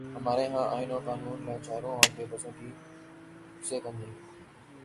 ہمارے ہاں آئین اور قانون لاچاروں اور بے بسوں کے کسی کام کے نہیں۔